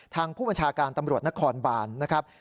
ทางผู้บัญชาการตำรวจนครบานนะครับ